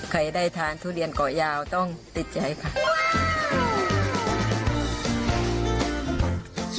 ใครได้ทานทุเรียนเกาะยาวต้องติดใจค่ะ